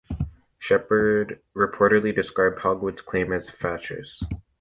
Sheppard reportedly described Hogwood's claim as "fatuous".